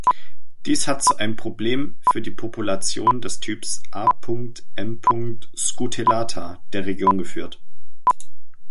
Dies hat zu einem Problem für die Populationen des Typs „A. m. scutellata“ der Region geführt.